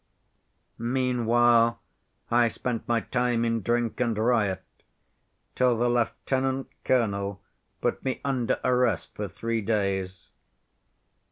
"Meanwhile, I spent my time in drink and riot, till the lieutenant‐colonel put me under arrest for three days.